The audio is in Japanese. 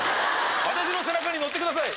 私の背中に乗ってください。